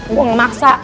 gue gak maksa